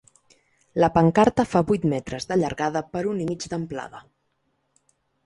La pancarta fa vuit metres de llargada per un i mig d’amplada.